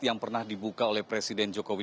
yang pernah dibuka oleh presiden jokowi